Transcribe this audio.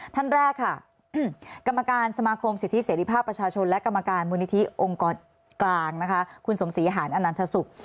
ท่านแรกค่ะกรรมการสมาคมสิทธิเสรีภาพประชาชนและกรรมการมูลนิธิองค์กรกลางนะคะคุณสมศรีหารอนันทศุกร์